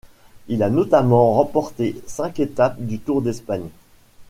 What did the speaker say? Il a notamment remporté cinq étapes du Tour d'Espagne.